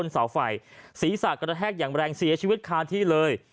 เสาไฟศีรษะกระแทกอย่างแรงเสียชีวิตคาที่เลย